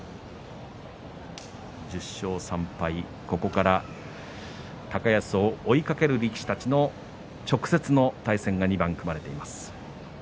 １０勝３敗、ここから高安を追いかける力士たちの直接の対戦が２番組まれています。